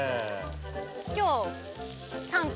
今日。